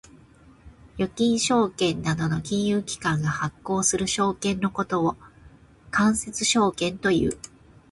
預金証券などの金融機関が発行する証券のことを間接証券という。